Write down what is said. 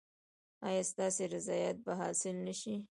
ایا ستاسو رضایت به حاصل نه شي؟